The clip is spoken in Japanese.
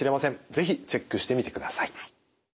是非チェックしてみてください。